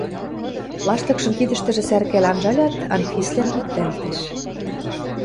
Лаштыкшым кидӹштӹжӹ сӓрыкал анжалят, Анфислӓн виктӓлтӹш.